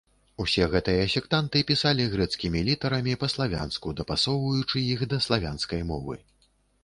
Усе гэтыя сектанты пісалі грэцкімі літарамі па-славянску, дапасоўваючы іх да славянскай мовы.